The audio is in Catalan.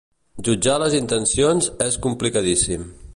Jutjar les intencions és complicadíssim.